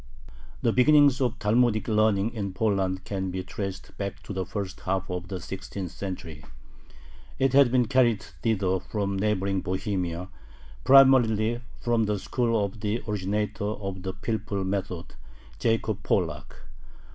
The beginnings of Talmudic learning in Poland can be traced back to the first half of the sixteenth century. It had been carried thither from neighboring Bohemia, primarily from the school of the originator of the pilpul method, Jacob Pollack.